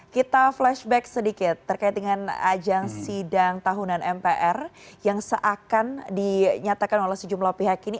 kita flashback sedikit terkait dengan ajang sidang tahunan mpr yang seakan dinyatakan oleh sejumlah pihak ini